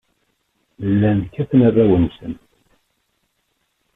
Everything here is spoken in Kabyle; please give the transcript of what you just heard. Llan kkaten arraw-nsen.